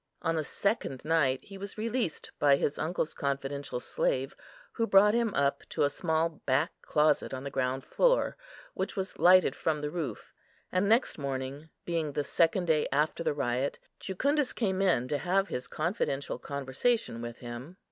On the second night he was released by his uncle's confidential slave, who brought him up to a small back closet on the ground floor, which was lighted from the roof, and next morning, being the second day after the riot, Jucundus came in to have his confidential conversation with him.